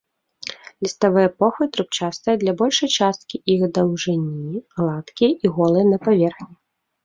Ліставыя похвы трубчастыя для большай часткі іх даўжыні, гладкія і голыя на паверхні.